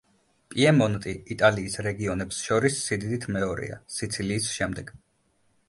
პიემონტი იტალიის რეგიონებს შორის სიდიდით მეორეა, სიცილიის შემდეგ.